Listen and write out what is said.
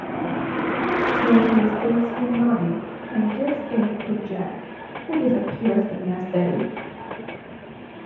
Vic receives his money and gives it to Jack, who disappears the next day.